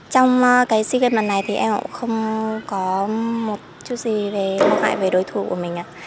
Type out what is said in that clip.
trong sea games ba mươi lần này thì em cũng không có một chút gì mong hại về đối thủ của mình